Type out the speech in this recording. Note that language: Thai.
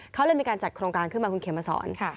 เขาเลยมีการจัดโครงการขึ้นมาคุณเขมมาสอน